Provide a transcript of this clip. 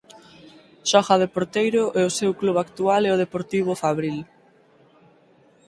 Xoga de porteiro e o seu club actual é o Deportivo Fabril.